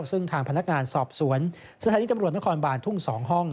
ซึ่งทางพนักงานสอบสวนสถานีตำรวจนครบานทุ่ง๒ห้อง